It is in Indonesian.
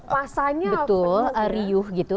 pasannya betul riuh gitu